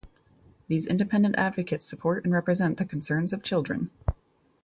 These independent advocates support and represent the concerns of children.